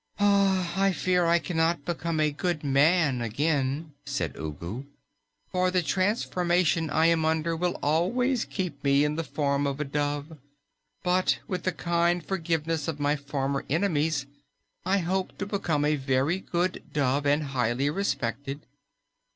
"I fear I cannot become a good MAN again," said Ugu, "for the transformation I am under will always keep me in the form of a dove. But with the kind forgiveness of my former enemies, I hope to become a very good dove and highly respected."